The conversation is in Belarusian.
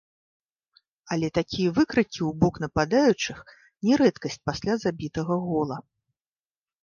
Але такія выкрыкі ў бок нападаючых не рэдкасць пасля забітага гола.